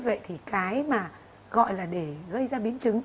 vậy thì cái mà gọi là để gây ra biến chứng